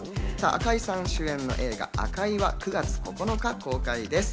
赤井さん主演の映画『ＡＫＡＩ』は９月９日公開です。